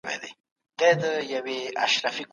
جواري ګر تل بايلونکی وي.